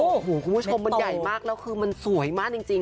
โอ้โหคุณผู้ชมมันใหญ่มากแล้วคือมันสวยมากจริง